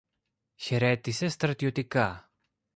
χαιρέτησε στρατιωτικά.